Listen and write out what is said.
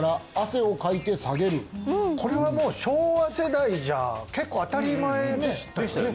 これはもう昭和世代じゃ結構当たり前でしたよね？